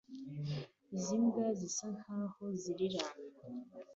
Izi mbwa zisa nkaho zirira